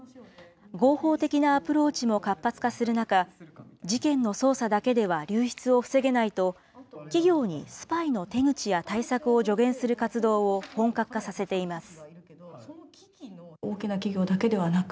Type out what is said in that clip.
合法的なアプローチも活発化する中、事件の捜査だけでは流出を防げないと、企業にスパイの手口や対策を助言する活動を本格化させています。